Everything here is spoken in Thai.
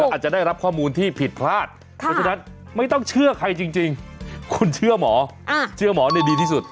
อาจจะได้รับข้อมูลที่ผิดพลาดเพราะฉะนั้นไม่ต้องเชื่อใครจริงคุณเชื่อหมอเชื่อหมอดีที่สุด